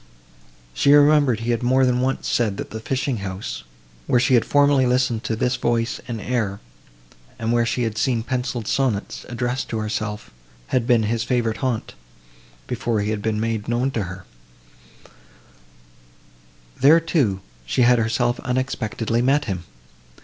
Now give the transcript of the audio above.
She remembered he had more than once said that the fishing house, where she had formerly listened to this voice and air, and where she had seen pencilled sonnets, addressed to herself, had been his favourite haunt, before he had been made known to her; there, too, she had herself unexpectedly met him.